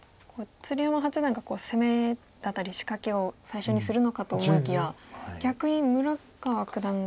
鶴山八段が攻めだったり仕掛けを最初にするのかと思いきや逆に村川九段が。